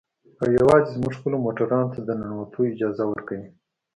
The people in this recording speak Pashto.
او يوازې زموږ خپلو موټرانو ته د ننوتو اجازه ورکوي.